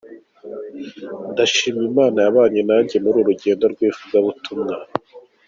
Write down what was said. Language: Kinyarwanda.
Ndashima Imana yabanye nanjye muri uru rugendo rwivugabutumwa.